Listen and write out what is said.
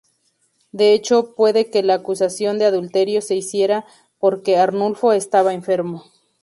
De hecho, puede que la acusación de adulterio se hiciera "porque" Arnulfo estaba enfermo.